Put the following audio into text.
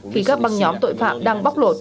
khi các băng nhóm tội phạm đang bóc lột